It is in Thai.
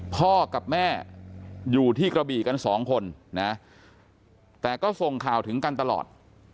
พ่อกับแม่อยู่ที่กระบี่กันสองคนนะแต่ก็ส่งข่าวถึงกันตลอด